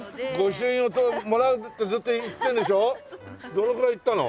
どのくらい行ったの？